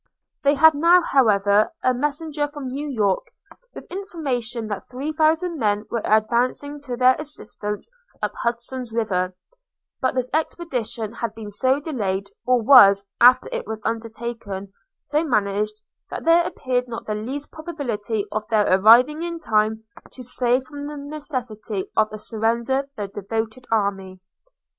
They had now, however, a messenger from New York, with information that three thousand men were advancing to their assistance up Hudson's River; but this expedition had been so delayed, or was, after it was undertaken, so managed, that there appeared not the least probability of their arriving in time to save from the necessity of a surrender the devoted army.